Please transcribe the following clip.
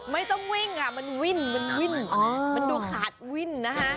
ไม่ต้องวิ่งอะมันวิ่งมันดูขาดวิ่งนะคะ